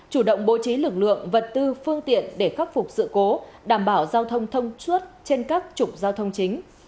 chủ động bố trí lực lượng vật tư phương tiện để khắc phục sự cố đảm bảo giao thông thông suốt trên các trục giao thông chính